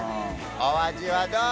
お味はどう？